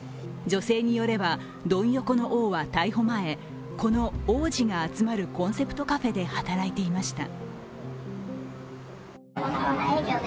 女性によれば、ドン横の王は逮捕前この王子が集まるコンセプトカフェで働いていました。